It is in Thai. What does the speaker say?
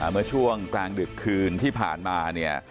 เมื่อช่วงกลางดึกคืนที่ผ่านมาเนี่ย